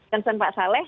tentuan pak saleh